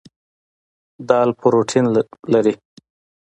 دال پروټین لري.